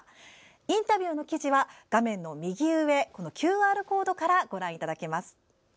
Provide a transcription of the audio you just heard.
インタビューの記事は画面右上のＱＲコードからご覧いただけます。